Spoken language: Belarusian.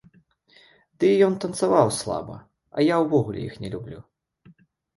Ды ён і танцаваў слаба, а я ўвогуле іх не люблю.